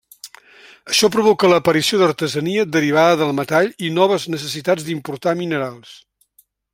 Això provoca l'aparició d'artesania derivada del metall i noves necessitats d'importar minerals.